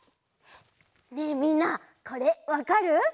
ねえみんなこれわかる？